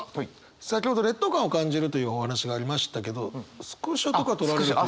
先ほど劣等感を感じるというお話がありましたけどスクショとか撮られるという。